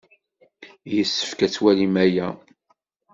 Yessefk ad twalim aya.